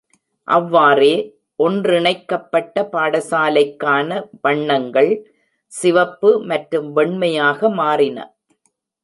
அவ்வாறே, ஒன்றிணைக்கப்பட்ட பாடசாலைக்கான வண்ணங்கள் சிவப்பு மற்றும் வெண்மையாக மாறின.